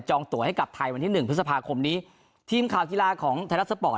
ตัวให้กับไทยวันที่หนึ่งพฤษภาคมนี้ทีมข่าวกีฬาของไทยรัฐสปอร์ต